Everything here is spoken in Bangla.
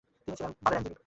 তিনি ছিলেন আইনজীবী।